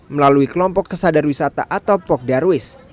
melalui kelompok kesadar wisata atau pogdarwis